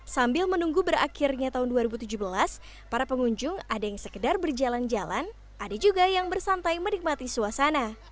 sambil menunggu berakhirnya tahun dua ribu tujuh belas para pengunjung ada yang sekedar berjalan jalan ada juga yang bersantai menikmati suasana